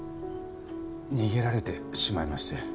逃げられてしまいまして。